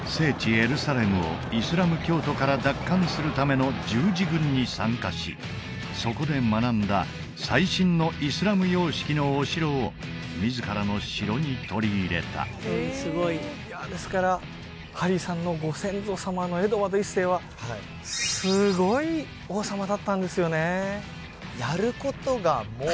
エルサレムをイスラム教徒から奪還するための十字軍に参加しそこで学んだ最新のイスラム様式のお城を自らの城に取り入れたいやですからハリーさんのご先祖様のエドワード１世はすごい王様だったんですよね